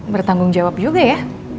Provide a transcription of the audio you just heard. bertanggung jawab juga ya